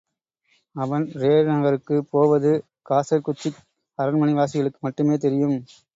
அவன் ரே நகருக்குப் போவது, காசர்குச்சிக் அரண்மனை வாசிகளுக்கு மட்டுமே தெரியும்.